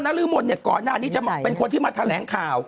ดรน๊ลื้มคนจากก่อนนาที่จะเป็นคนที่มาแถลงข่าว